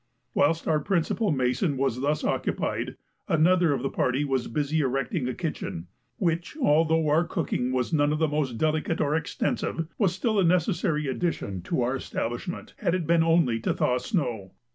Whilst our principal mason was thus occupied, another of the party was busy erecting a kitchen, which, although our cooking was none of the most delicate or extensive, was still a necessary addition to our establishment, had it been only to thaw snow.